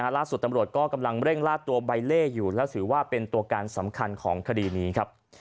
ล่าสุดตำรวจก็กำลังเร่งล่าตัวใบเล่อยู่แล้วถือว่าเป็นตัวการสำคัญของคดีนี้ครับ